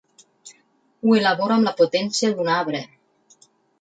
Ho elaboro amb la potència d'un arbre.